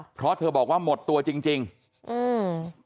เพราะเธอบอกว่าหมดตัวจริงจริงอืม